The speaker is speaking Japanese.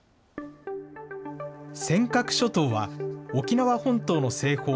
尖閣諸島は沖縄本島の西方